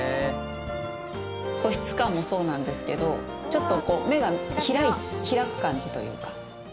保湿感もそうなんですけどちょっとこう目が開く感じというか。